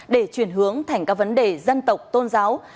để chuyển hướng thành các vấn đề dân tộc tôn giáo